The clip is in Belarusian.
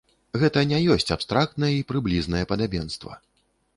Гэта не ёсць абстрактнае і прыблізнае падабенства.